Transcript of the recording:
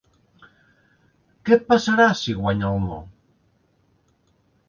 Què passarà si guanya el ‘no’?